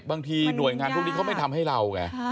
บางทีหน่วยงานพวกนี้เขาไม่ทำให้เราไง